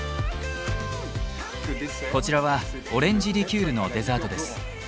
こちらはオレンジリキュールのデザートです。